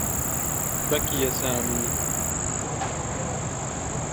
بكي سامي.